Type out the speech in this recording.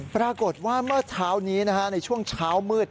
ปรากฏว่าเมื่อเช้านี้ในช่วงเช้ามืด